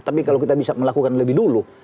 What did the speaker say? tapi kalau kita bisa melakukan lebih dulu